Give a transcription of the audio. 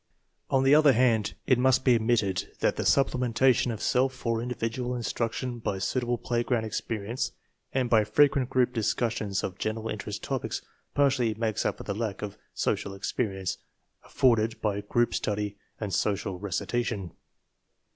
On the other hand, it must be admitted that the supplementation of self or individual instruc tion by suitable playground experience and by frequent group discussions of general interest topics partly makes up for the lack of social experience afforded by group study and group recitation.